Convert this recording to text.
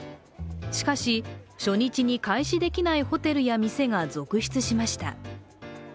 しかし、初日に開始できないホテルや店が続出しました。